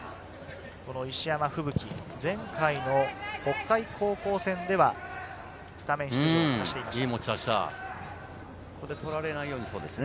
石山風吹は前回、北海高校戦でスタメン出場を果たしました。